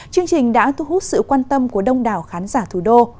chương trình đã thu hút sự quan tâm của đông đảo khán giả thủ đô